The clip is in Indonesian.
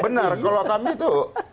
benar kalau kami itu